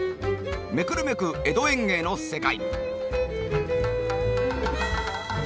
めくるめく江戸園芸の世界。